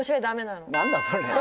何だそれ